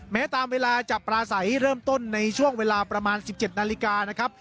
แม้ตามเวลาจะปลาใสเริ่มต้นในช่วงเวลาประมาณ๑๗นาฬิกานะครับ